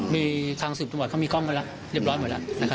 มีทางศึกจังหวัดเขามีกล้องกันแล้วเรียบร้อยหมดแล้วนะครับ